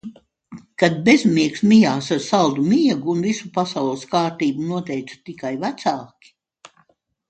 Kad bezmiegs mijās ar saldu miegu un visu pasaules kārtību noteica tikai vecāki...